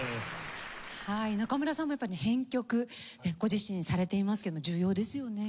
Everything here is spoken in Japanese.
中村さんも編曲ご自身でされていますけど重要ですよね。